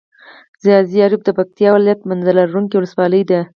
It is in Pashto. ځاځي اريوب د پکتيا ولايت منظره لرونکي ولسوالي ده.